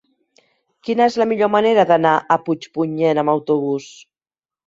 Quina és la millor manera d'anar a Puigpunyent amb autobús?